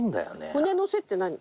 骨の背って何？